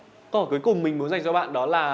câu hỏi cuối cùng mình muốn dành cho bạn đó là